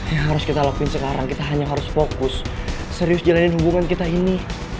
yang harus kita lakuin sekarang kita hanya harus fokus serius jalanin hubungan kita ini